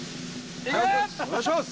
お願いします！